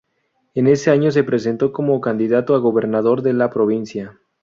En ese año se presentó como candidato a gobernador de la Provincia.